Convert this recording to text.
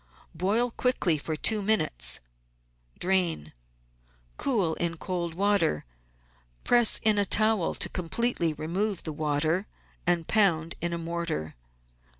Boil quickly for two minutes, drain, cool in cold water, press in a towel to com pletely remove the water, and pound in a mortar.